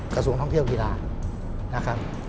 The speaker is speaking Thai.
กระทรวงท่องเที่ยวกีฬานะครับ